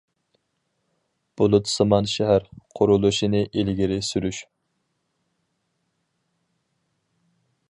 ‹‹ بۇلۇتسىمان شەھەر›› قۇرۇلۇشىنى ئىلگىرى سۈرۈش.